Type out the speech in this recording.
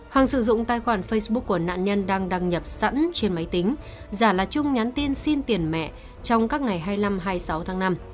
hoàng sử dụng tài khoản facebook của nạn nhân đang đăng nhập sẵn trên máy tính giả là trung nhắn tin xin tiền mẹ trong các ngày hai mươi năm hai mươi sáu tháng năm